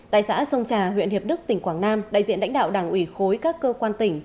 tại xã sông trà huyện hiệp đức tỉnh quảng nam đại diện lãnh đạo đảng ủy khối các cơ quan tỉnh